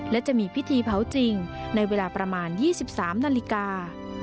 และจะมีพิธีเผาจริงในเวลาประมาณ๒๓นาฬิกา